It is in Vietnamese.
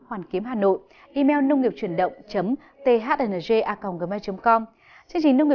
mọi ý kiến khán giả quan tâm xin gửi bình luận